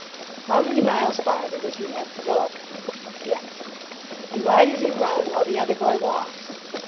How many miles farther does he have to go ? Yes. And why does he run while the other boy walks